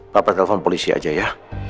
papa telepon polisi aja ya